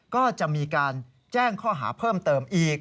ก็จะมีการแจ้งข้อหาเพิ่มเติมอีก